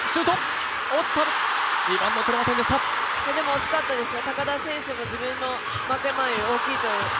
惜しかったですよ。